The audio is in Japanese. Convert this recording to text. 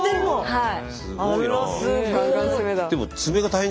はい。